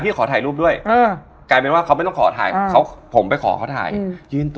เพราะว่าอันนั้นคือ